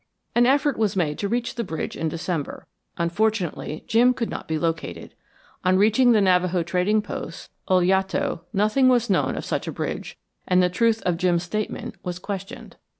"An effort was made to reach the bridge in December. Unfortunately Jim could not be located. On reaching the Navajo trading post, Oljato, nothing was known of such a bridge, and the truth of Jim's statement was questioned.